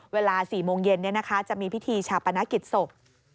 เวลา๔โมงเย็นจะมีพิธีชาปนกิจศพ